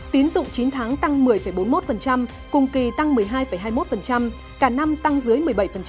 tín dụng chín tháng tăng một mươi bốn mươi một cùng kỳ tăng một mươi hai hai mươi một cả năm tăng dưới một mươi bảy